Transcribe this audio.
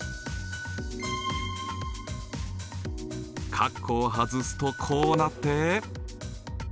カッコを外すとこうなって。